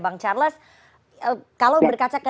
bang charles kalau berkaca